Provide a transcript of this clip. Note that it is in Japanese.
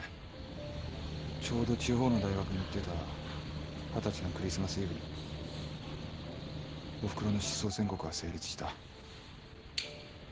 ちょうど地方の大学に行ってた二十歳のクリスマスイブにおふくろの失踪宣告は成立した。